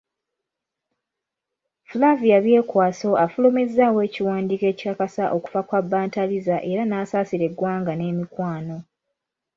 Flavia Byekwaso afulumizaawo ekiwandiiko ekikakasa okufa kwa Bantariza era n'asaasira eggwanga n'emikwano.